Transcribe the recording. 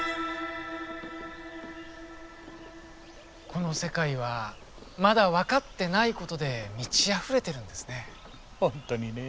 この世界はまだ分かってないことで満ちあふれているんですね。